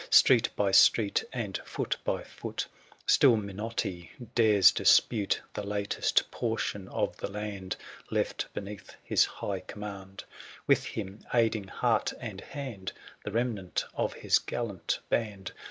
Street by street, and foot by foot, Still Minotti dares dispute 8OO The latest portion of the land Left berieath his high command j THE SIEGE OF CORINTH. 47 With him, aiding heart and hand, The remnant of his gallant band.